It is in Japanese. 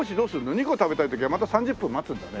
２個食べたい時はまた３０分待つんだね。